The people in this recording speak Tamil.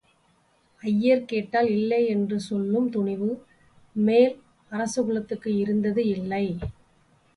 ஐயர் கேட்டால் இல்லை என்று சொல்லும் துணிவு மேல் அரசகுலத்துக்கு இருந்தது இல்லை.